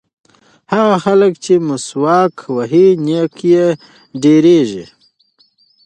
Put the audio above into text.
هغه خلک چې مسواک وهي نیکۍ یې ډېرېږي.